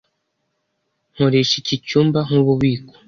Nkoresha iki cyumba nkububiko.